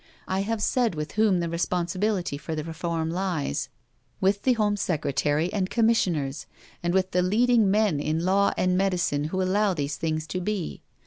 I have said with whom the responsibility for the reform lies: with the Home Secretary and Commissioners, and with the leading men in law and medicine who allow these things to be.